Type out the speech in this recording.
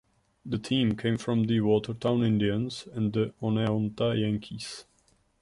The team came from the Watertown Indians and the Oneonta Yankees.